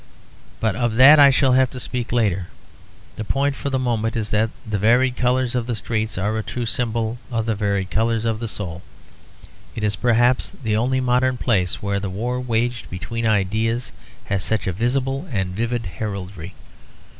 But of that I shall have to speak later; the point for the moment is that the varied colours of the streets are a true symbol of the varied colours of the souls. It is perhaps the only modern place where the war waged between ideas has such a visible and vivid heraldry.